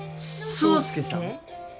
爽介さん？